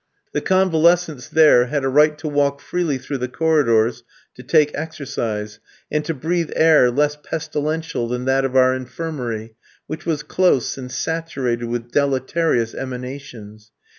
The convalescents there had a right to walk freely through the corridors to take exercise, and to breathe air less pestilential than that of our infirmary, which was close and saturated with deleterious emanations.